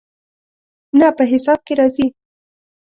نه، په حساب کې راځي